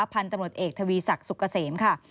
พันธุ์ตำรวจเอกทวีศักดิ์สุกเกษมค่ะ